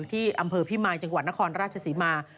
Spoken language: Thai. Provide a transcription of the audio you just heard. ที่อำเภอพิมายจังหวัดนครราชศรีมา